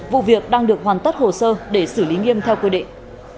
vụ việc đang được hoàn tất hồ sơ để xử lý nghiêm theo quy định